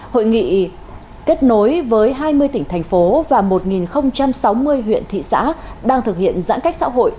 hội nghị kết nối với hai mươi tỉnh thành phố và một sáu mươi huyện thị xã đang thực hiện giãn cách xã hội